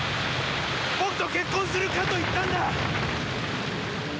僕と結婚するかと言ったんだ！